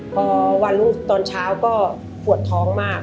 พอวันตอนเช้าก็หววดท้องมาก